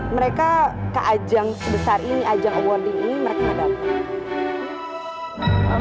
mereka ke ajang sebesar ini ajang awarding ini mereka gak datang